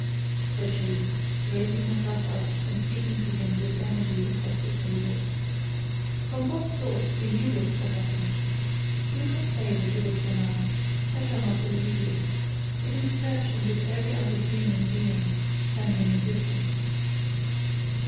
said she, raising herself up, and speaking to him with energy across the table. 'From what source do you look for happiness? Do not say that you look for none? I shall not believe you. It is a search in which every human being spends an existence.'